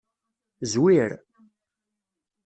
Zwir.